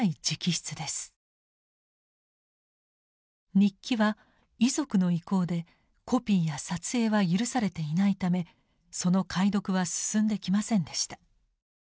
日記は遺族の意向でコピーや撮影は許されていないためその解読は進んできませんでした。